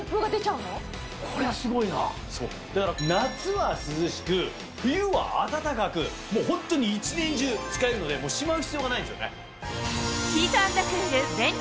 そうだから夏は涼しく冬は暖かくホントに１年中使えるのでしまう必要がないんですよね。